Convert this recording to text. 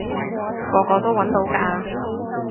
個個都搵到㗎